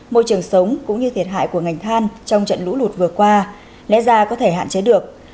môi trường sống cũng như thiệt hại của ngành than trong trận lũ lụt vừa qua lẽ ra có thể hạn chế được